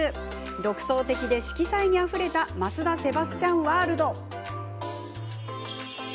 独創的で色彩にあふれた増田セバスチャンワールド。